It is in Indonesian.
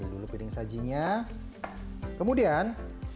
dulu piring sajinya kemudian